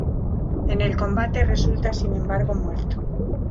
En el combate resulta sin embargo muerto.